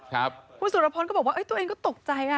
คุณสุรพรก็บอกว่าตัวเองก็ตกใจอ่ะ